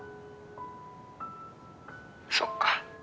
そっか。